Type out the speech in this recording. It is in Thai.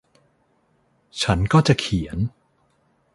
ฉันก็จะเขียน